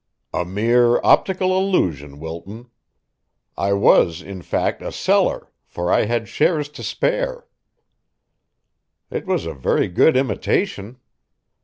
"A mere optical illusion, Wilton. I was in fact a seller, for I had shares to spare." "It was a very good imitation."